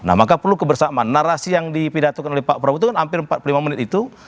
nah maka perlu kebersamaan narasi yang dipidatukan oleh pak prabowo itu kan hampir empat puluh lima menit itu